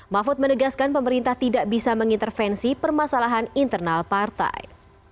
mahfud menegaskan pemerintah tidak bisa mengintervensi permasalahan internal partai